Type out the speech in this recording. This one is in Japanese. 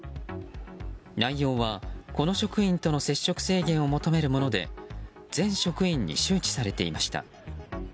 内容はこの職員との接触制限を求めるもので全職員に周知されていました。